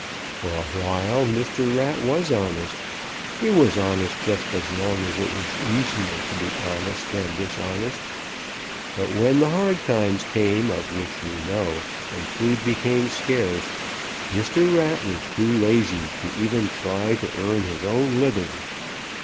For a while Mr. Rat was honest. He was honest just as long as it was easier to be honest than dishonest. But when the hard times came of which you know, and food became scarce, Mr. Rat was too lazy to even try to earn his own living.